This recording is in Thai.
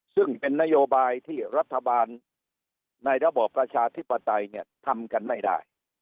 ซึ่งเป็นนโยบายที่รัฐบาลในระบอบประชาธิปไตยเนี่ยทำกันไม่ได้